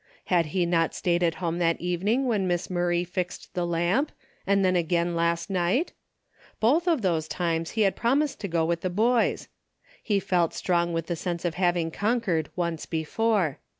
Had he not stayed at home that evening when Miss Murray fixed the lamp, and then again last night ? Both of these times he had promised to go with the boys. He felt strong with the sense of having conquered once before.